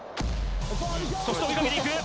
そして追いかけていく。